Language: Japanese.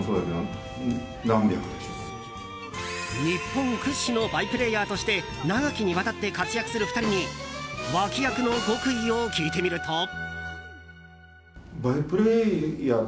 日本屈指のバイプレーヤーとして長きにわたって活躍する２人に脇役の極意を聞いてみると。